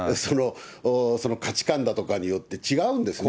その価値観だとかによって違うんですよね。